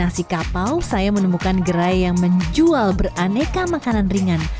nasi kapau saya menemukan gerai yang menjual beraneka makanan ringan